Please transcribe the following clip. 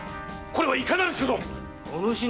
これはいかなる所存！